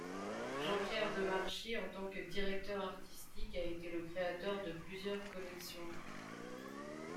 Jean-Pierre Demarchi en tant que directeur artistique a été le créateur de plusieurs collections.